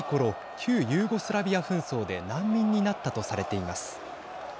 旧ユーゴスラビア紛争で難民になったとされています。